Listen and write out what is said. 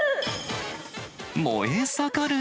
燃えてる！